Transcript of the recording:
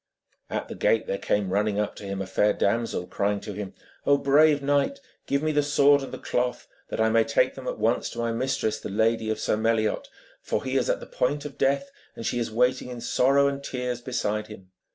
At the gate there came running up to him a fair damsel, crying to him: 'O brave knight, give me the sword and the cloth, that I may take them at once to my mistress, the lady of Sir Meliot, for he is at the point of death, and she is waiting in sorrow and tears beside him.'